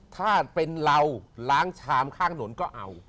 ถ้าเป็นเราล้างชามข้างถนนก็เอา